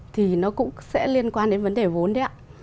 thì nó cũng sẽ liên quan đến vấn đề vốn đấy ạ